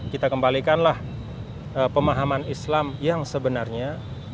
kita kembalikanlah pemahaman islam yang sebenarnya